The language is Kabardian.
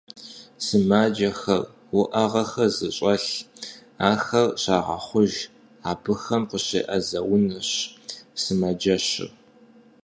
Сымаджэхэр, уӀэгъэхэр зыщӀэлъ, ахэр щагъэхъуж, абыхэм къыщеӀэзэ унэщ сымаджэщыр.